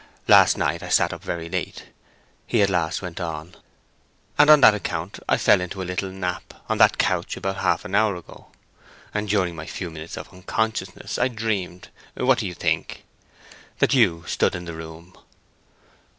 "Last night I sat up very late," he at last went on, "and on that account I fell into a little nap on that couch about half an hour ago. And during my few minutes of unconsciousness I dreamed—what do you think?—that you stood in the room."